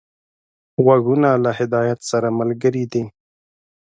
غوږونه له هدایت سره ملګري دي